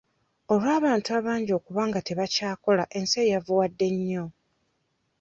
Olw'abantu abangi okuba nga tebakyakola ensi eyavuwadde nnyo.